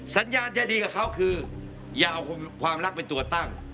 สัญญาณจะดีกับเขาคืออย่าเอาความรักเป็นตัวตั้ง